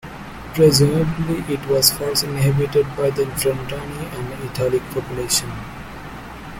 Presumably, it was first inhabited by the Frentani, an Italic population.